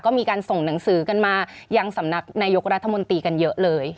ก็มีการส่งหนังสือกันมายังสำนักนายกรัฐมนตรีกันเยอะเลย